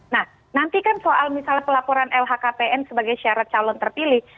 nah nanti kan soal misalnya pelaporan lhkpn sebagai syarat calon terpilih